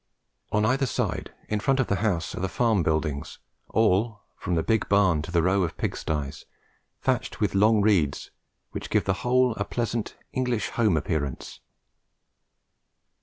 On either side in front of the house are the farm buildings, all, from the big barn to the row of pigsties, thatched with long reeds, which give the whole a pleasant English home appearance.